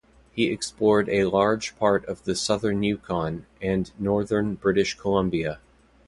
He explored a large part of the southern Yukon and northern British Columbia.